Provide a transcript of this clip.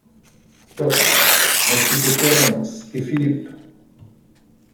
Toque, ainsi que Terrance et Philippe.